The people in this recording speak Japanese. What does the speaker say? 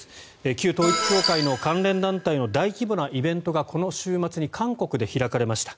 旧統一教会の関連団体の大規模なイベントがこの週末に韓国で開かれました。